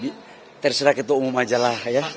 ya terserah ketua umum aja lah ya